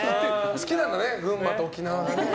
好きなんだね、群馬と沖縄がね。